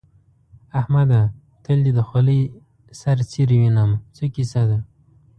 احمده! تل دې د خولۍ سر څيرې وينم؛ څه کيسه ده؟